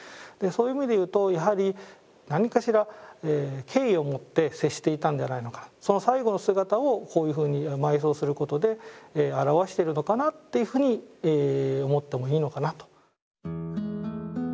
そういう意味で言うとやはり何かしら敬意を持って接していたんじゃないのかその最後の姿をこういうふうに埋葬することで表しているのかなっていうふうに思ってもいいのかなと。